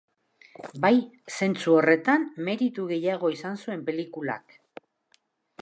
Bai, zentzu horretan meritu gehiago izan zuen pelikulak.